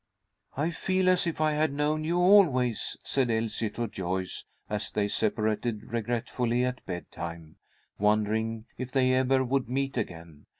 "I feel as if I had known you always," said Elsie to Joyce, as they separated, regretfully, at bedtime, wondering if they ever would meet again.